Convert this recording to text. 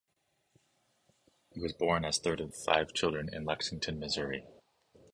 He was born as third of five children in Lexington, Missouri.